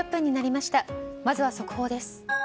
まずは速報です。